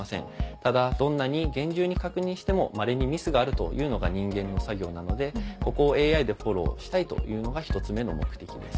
ただどんなに厳重に確認してもまれにミスがあるというのが人間の作業なのでここをＡＩでフォローしたいというのが１つ目の目的です。